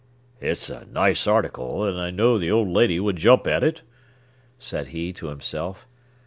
"It's a nice article, and I know the old lady would jump at it," said he to himself.